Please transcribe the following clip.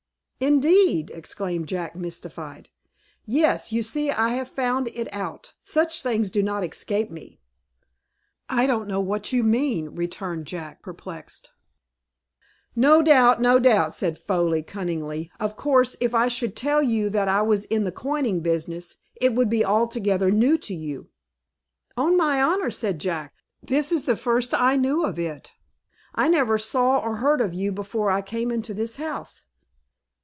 "Indeed!" exclaimed Jack, mystified. "Yes; you see I have found it out. Such things do not escape me." "I don't know what you mean," returned Jack, perplexed. "No doubt, no doubt,", said Foley, cunningly. "Of course, if I should tell you that I was in the coining business, it would be altogether new to you." "On my honor," said Jack, "this is the first I knew of it. I never saw or heard of you before I came into this house."